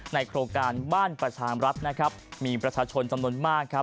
โครงการบ้านประชามรัฐนะครับมีประชาชนจำนวนมากครับ